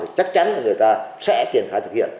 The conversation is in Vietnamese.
chắc chắn là người ta sẽ triển khai thực hiện